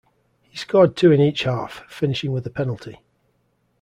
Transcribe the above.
He scored two in each half, finishing with a penalty.